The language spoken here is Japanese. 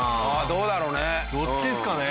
どうだろうね？